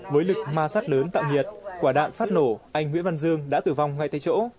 với lực ma sắt lớn tạm nhiệt quả đạn phát nổ anh nguyễn văn dương đã tử vong ngay tại chỗ